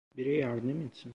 Biri yardım etsin!